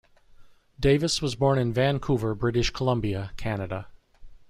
Davis was born in Vancouver, British Columbia, Canada.